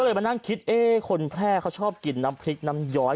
มานั่งคิดเอ๊ะคนแพร่เขาชอบกินน้ำพริกน้ำย้อย